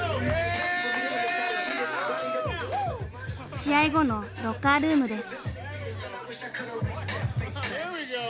試合後のロッカールームです。